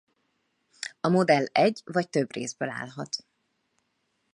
A modell egy vagy több részből állhat.